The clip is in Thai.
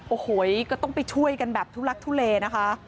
โอ้โหก็ต้องไปช่วยกันแบบทุลักทุเลนะคะ